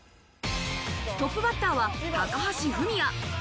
トップバッターは高橋文哉。